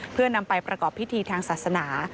เพื่อนำไปประกอบพิธีทางศาสนา